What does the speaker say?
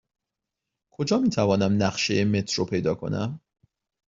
کجا می توانم نقشه مترو پیدا کنم؟